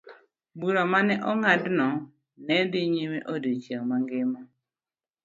Bura ma ne ong'adno ne dhi nyime odiechieng' mangima.